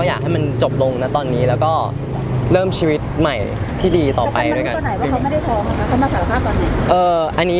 อยากให้มันจบลงตอนนี้และเริ่มชีวิตใหม่ที่ดีต่อไป